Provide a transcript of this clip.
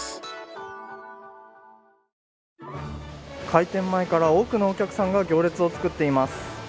開店前から多くのお客さんが行列を作っています。